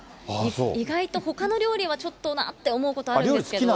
意外とほかの料理はちょっとなと思うことがあるんですけど。